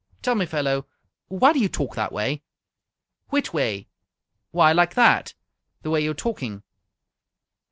"Tell me, fellow, why do you talk that way?" "Whitway?" "Why, like that. The way you're talking."